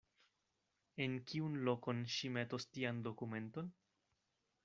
En kiun lokon ŝi metos tian dokumenton?